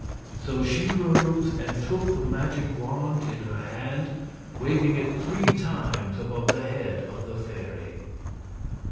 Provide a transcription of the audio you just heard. So she rose and took the magic wand in her hand, waving it three times above the head of the fairy.